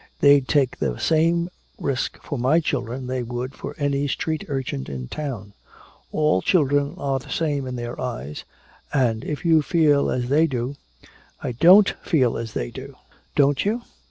"They'd take the same risk for my children they would for any street urchin in town! All children are the same in their eyes and if you feel as they do " "I don't feel as they do!" "Don't you?